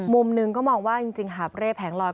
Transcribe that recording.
มุมหนึ่งก็มองว่าจริงหาบเร่แผงลอย